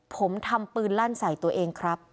ผมทำปืนลั่นใส่ตัวเองครับ